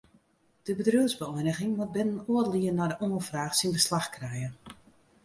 De bedriuwsbeëiniging moat binnen oardel jier nei de oanfraach syn beslach krije.